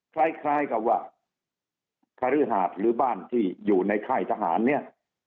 คล้ายคล้ายกับว่าหรือบ้านที่อยู่ในค่ายทหารเนี้ย